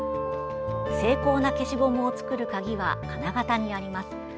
精巧な消しゴムを作る鍵は金型にあります。